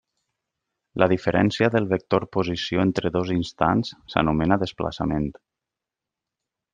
La diferència del vector posició entre dos instants s'anomena desplaçament.